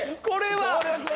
これは。